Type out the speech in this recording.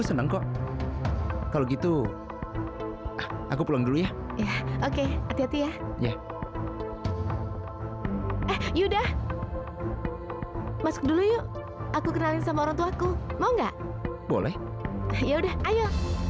sampai jumpa di video selanjutnya